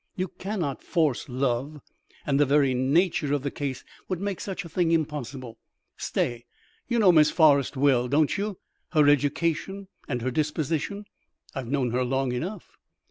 You cannot force love, and the very nature of the case would make such a thing impossible. Stay! You know Miss Forrest well, don't you, her education, and her disposition?" "I've known her long enough."